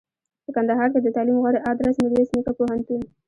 په کندهار کښي دتعلم غوره ادرس میرویس نیکه پوهنتون